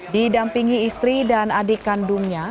didampingi istri dan adik kandungnya